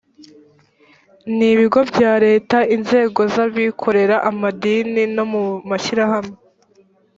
n ibigo bya leta inzego z abikorera amadini no mu mashyirahamwe